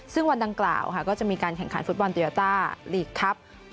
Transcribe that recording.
ซึ่งวันดังกล่าวก็จะมีการแข่งขันฟุตบอลโยต้าลีกครับ